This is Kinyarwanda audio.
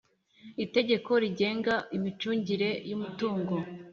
Itegeko rigenga imicungire y umutungo